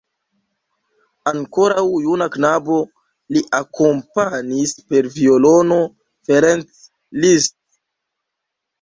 Ankoraŭ juna knabo, li akompanis per violono Ferenc Liszt.